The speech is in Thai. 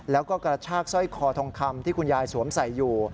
แล้วก็กระชากสร้อยคอทองคำที่คุณยายสวมใส่อยู่